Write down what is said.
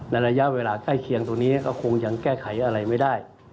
ระยะเวลาใกล้เคียงตรงนี้ก็คงยังแก้ไขอะไรไม่ได้